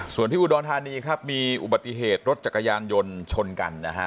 ส่วนที่อุดรธานีครับมีอุบัติเหตุรถจักรยานยนต์ชนกันนะฮะ